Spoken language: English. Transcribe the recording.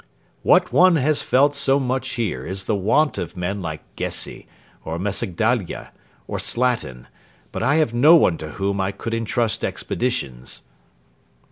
'What one has felt so much here is the want of men like Gessi, or Messadaglia, or Slatin, but I have no one to whom I could entrust expeditions.....'